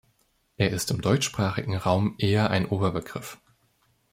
Er ist im deutschsprachigen Raum eher ein Oberbegriff.